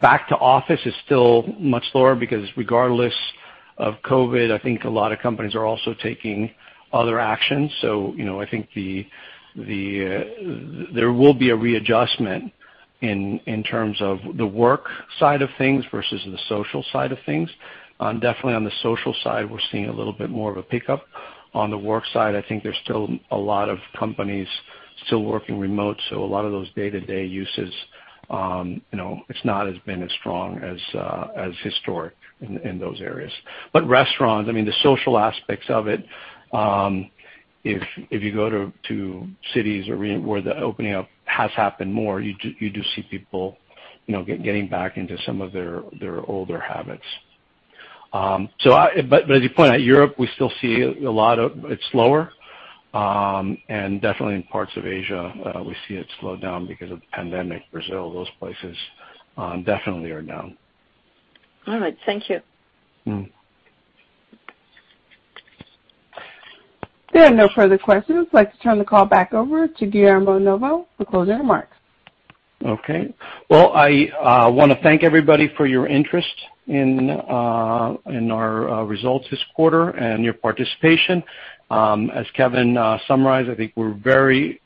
the office is still much lower because regardless of COVID, I think a lot of companies are also taking other actions. I think there will be a readjustment in terms of the work side of things versus the social side of things. Definitely on the social side, we're seeing a little bit more of a pickup. On the work side, I think there are still a lot of companies still working remote, so a lot of those day-to-day uses have not been as strong as historically in those areas. Restaurants, I mean, the social aspects of it—if you go to cities or where the opening up has happened more, you do see people getting back into some of their older habits. As you point out, Europe, we still see a lot of its slower. Definitely in parts of Asia, we see it slowed down because of the pandemic. Brazil, those places definitely are down. All right. Thank you. There are no further questions. I'd like to turn the call back over to Guillermo Novo for closing remarks. Okay. Well, I want to thank everybody for your interest in our results this quarter and your participation. As Kevin summarized, I think we're very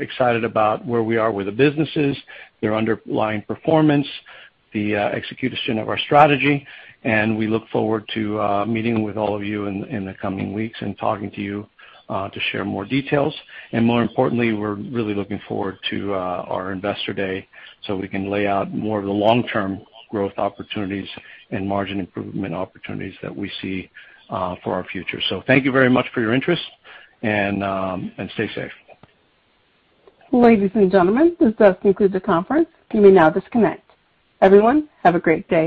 excited about where we are with the businesses, their underlying performance, and the execution of our strategy. We look forward to meeting with all of you in the coming weeks and talking to you to share more details. More importantly, we're really looking forward to our investor day so we can lay out more of the long-term growth opportunities and margin improvement opportunities that we see for our future. Thank you very much for your interest, and stay safe. Ladies and gentlemen, this does conclude the conference. You may now disconnect. Everyone, have a great day.